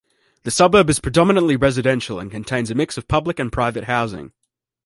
The suburb is predominantly residential and contains a mix of public and private housing.